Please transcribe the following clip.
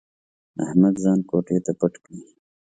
احمد ځان کوټې ته پټ کړي.